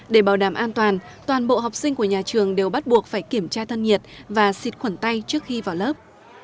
để bảo đảm an toàn toàn bộ học sinh của nhà trường đều bắt buộc phải kiểm tra thân nhiệt và xịt khuẩn tay trước khi vào lớp